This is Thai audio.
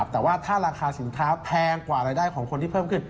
แต่ว่าถ้าราคาสินค้าแพงกว่ารายได้ของคนที่เพิ่มขึ้น